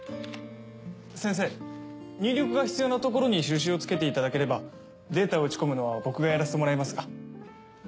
先生入力が必要なところに印をつけていただければデータを打ち込むのは僕がやらせてもらいますが。